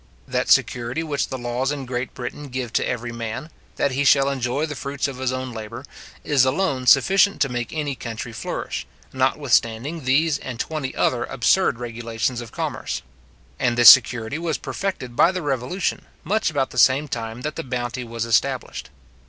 That security which the laws in Great Britain give to every man, that he shall enjoy the fruits of his own labour, is alone sufficient to make any country flourish, notwithstanding these and twenty other absurd regulations of commerce; and this security was perfected by the Revolution, much about the same time that the bounty was established.